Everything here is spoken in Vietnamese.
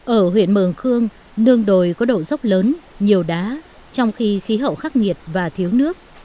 ở huyện mường khương nương đồi có độ dốc lớn nhiều đá trong khi khí hậu khắc nghiệt và thiếu nước